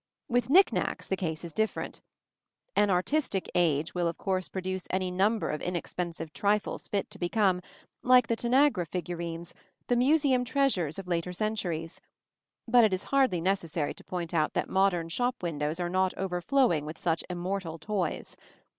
With knick knacks the case is different. An artistic age will of course produce any number of inexpensive trifles fit to become, like the Tanagra figurines, the museum treasures of later centuries; but it is hardly necessary to point out that modern shop windows are not overflowing with such immortal toys.